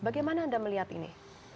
bagaimana anda melihat ini